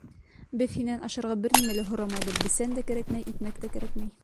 Беҙ һинән ашарға бер нәмә лә һорамайбыҙ, бесән дә кәрәкмәй, икмәк тә кәрәкмәй.